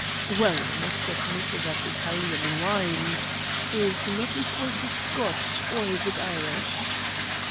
"Well, I must admit that Italian wine " "Is not equal to Scotch; or is it Irish?"